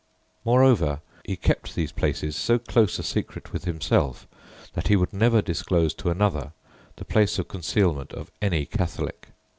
Moreover, he kept these places so close a secret with himself that he would never disclose to another the place of concealment of any Catholic.